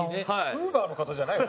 Ｕｂｅｒの方じゃないの？